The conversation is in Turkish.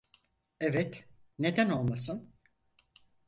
Evet, neden olmasın?